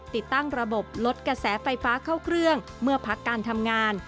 ติดตั้งระบบลดกระแสไฟฟ้าเข้าเครื่องเมื่อพักการทำงาน